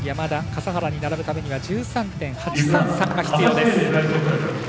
笠原に並ぶためには１３．８３３が必要です。